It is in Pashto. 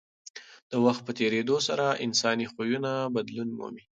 د وخت په تېرېدو سره انساني خویونه بدلون مومي.